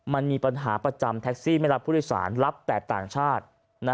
มันมีปัญหาประจำแท็กซี่ไม่รับผู้โดยสารรับแต่ต่างชาติ